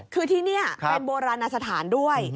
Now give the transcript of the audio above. คือที่นี่เป็นโบราณสถานด้วย